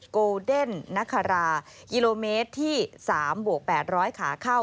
โกเดนนคารากิโลเมตรที่๓บวก๘๐๐ขาเข้า